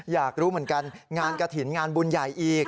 อยากรู้เหมือนกันงานกระถิ่นงานบุญใหญ่อีก